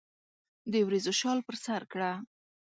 دوریځو شال پر سرکړه